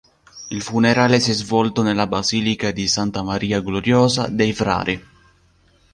Il funerale si è svolto nella Basilica di Santa Maria Gloriosa dei Frari.